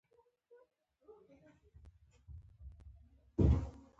او د ژوند د طرز برخه ئې ګرځېدلي وي -